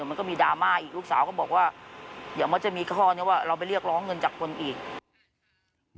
ก็ว่ามีดามมากลูกสาวก็บอกว่าเรามันจะมีข้อนนี้ว่าเราไปเรียกร้องเงินจากคนอีก